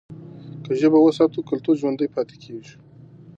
که ژبه وساتو، کلتور ژوندي پاتې کېږي.